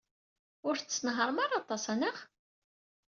Ur tettenhaṛem ara aṭas, anaɣ?